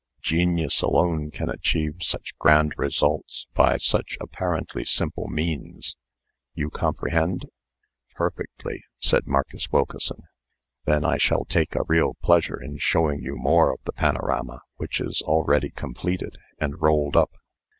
Genius alone can achieve such grand results by such apparently simple means. You comprehend?" "Perfectly," said Marcus Wilkeson. "Then I shall take a real pleasure in showing you more of the panorama which is already completed and rolled up.